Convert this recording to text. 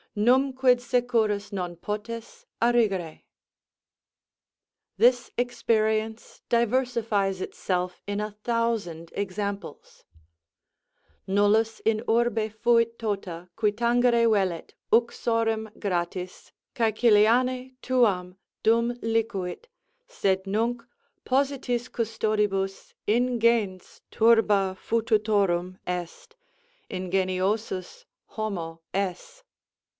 Numquid securus non potes arrigere? This experience diversifies itself in a thousand examples: Nullus in urbe fuit totâ, qui tangere vellet Uxorem gratis, Cæciliane, tuam, Dum licuit: sed nunc, positis custodibus, ingens Turba fututorum est. Ingeniosus homo es.